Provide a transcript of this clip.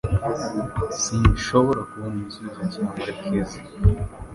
Sinshobora kubona igisubizo cya murekezi